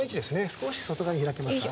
少し外側に開けますか。